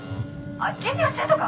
「あっ減量中とか？